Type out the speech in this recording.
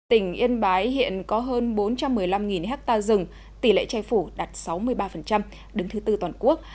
tỉnh yên bái hiện có hơn bốn trăm một mươi năm ha rừng tỷ lệ chai phủ đạt sáu mươi ba đứng thứ tư toàn quốc